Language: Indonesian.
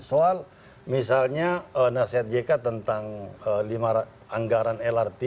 soal misalnya nasihat jk tentang lima anggaran lrt